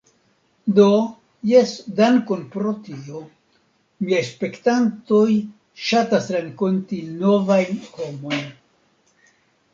Do, jes dankon pro tio. Miaj spektantoj ŝatas renkonti novajn homojn